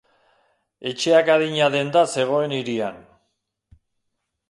Etxeak adina denda zegoen hirian.